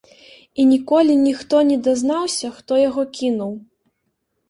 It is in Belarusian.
І ніколі ніхто не дазнаўся, хто яго кінуў.